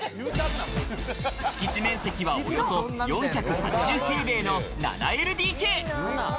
敷地面積はおよそ４８０平米の７ＬＤＫ。